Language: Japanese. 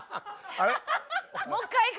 あれ？